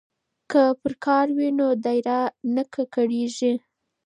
که پرکار وي نو دایره نه کږیږي.